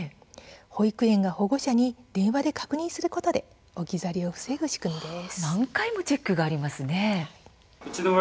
保育園が保護者に電話で確認することで置き去りを防ぐ仕組みです。